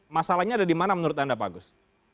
masalahnya ada di mana menurut anda pak agus